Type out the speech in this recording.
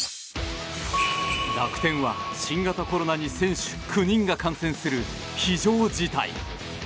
楽天は新型コロナに選手９人が感染する非常事態。